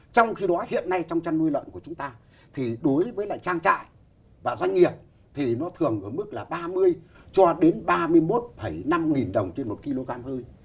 trong khi đó hiện nay trong chăn nuôi lợn của chúng ta thì đối với lại trang trại và doanh nghiệp thì nó thường ở mức là ba mươi cho đến ba mươi một năm nghìn đồng trên một kg hơi